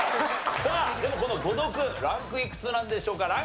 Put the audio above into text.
さあでもこの「誤読」ランクいくつなんでしょうか？